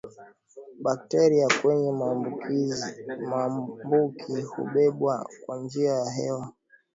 Bakteria wenye maambuki hubebwa kwa njia ya hewa